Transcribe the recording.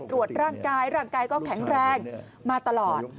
ตรวจร่างกายร่างกายก็แข็งแรงมาตลอด